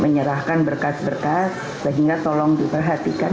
menyerahkan berkas berkas sehingga tolong diperhatikan